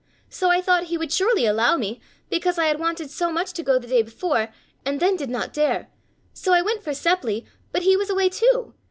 So I thought he would surely allow me, because I had wanted so much to go the day before, and then did not dare, so I went for Seppli, but he was away too.